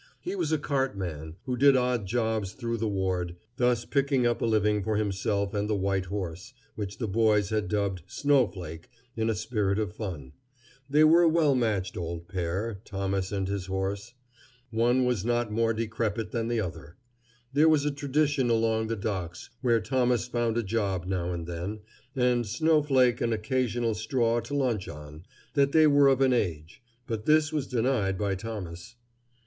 He was a cartman who did odd jobs through the ward, thus picking up a living for himself and the white horse, which the boys had dubbed Snowflake in a spirit of fun. They were a well matched old pair, Thomas and his horse. One was not more decrepit than the other. There was a tradition along the docks, where Thomas found a job now and then, and Snowflake an occasional straw to lunch on, that they were of an age, but this was denied by Thomas.